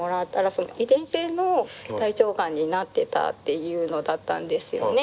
その遺伝子性の大腸がんになってたっていうのだったんですよね。